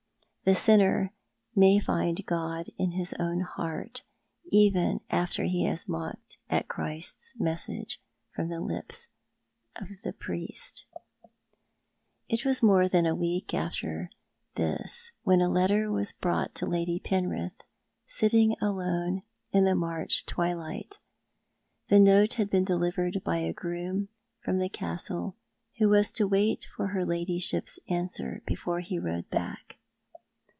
The sinner may find God in his own heart, even after he has mocked at Christ's message from the lips of the priest." 332 ThoiL ai't the Man. It was more than a week after this when a letter was brought to Lady Penrith, sitting alone in the March twilight. The note had been delivered by a groom from the Castle, who was to wait for her ladyship's answer before he rode back.